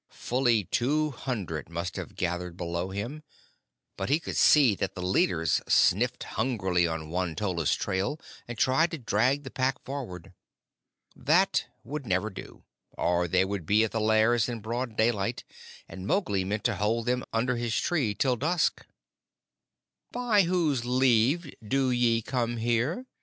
Fully two hundred must have gathered below him, but he could see that the leaders sniffed hungrily on Won tolla's trail, and tried to drag the Pack forward. That would never do, or they would be at the Lairs in broad daylight, and Mowgli intended to hold them under his tree till dusk. "By whose leave do ye come here?"